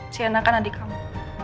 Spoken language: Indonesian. sienna kan adik kamu